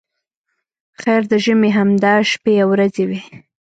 خیر د ژمي همدا شپې او ورځې وې.